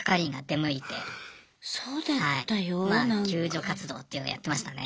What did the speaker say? まあ救助活動っていうのをやってましたね。